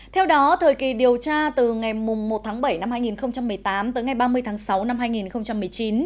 theo đó thời kỳ điều tra từ ngày một tháng bảy năm hai nghìn một mươi tám tới ngày ba mươi tháng sáu năm hai nghìn một mươi chín